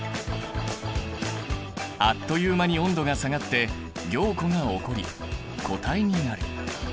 あっという間に温度が下がって凝固が起こり固体になる。